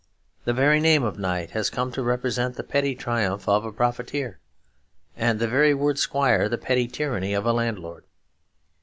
The very name of knight has come to represent the petty triumph of a profiteer, and the very word squire the petty tyranny of a landlord.